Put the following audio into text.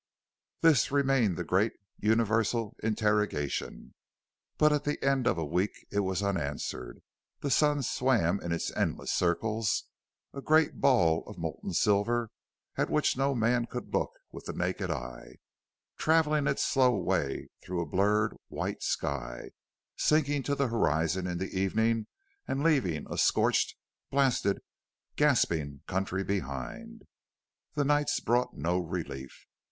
This remained the great, universal interrogation. But at the end of a week it was unanswered. The sun swam in its endless circles, a great ball of molten silver at which no man could look with the naked eye, traveling its slow way through a blurred, white sky, sinking to the horizon in the evening and leaving a scorched, blasted, gasping country behind. The nights brought no relief.